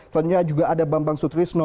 selanjutnya juga ada bambang sutrisno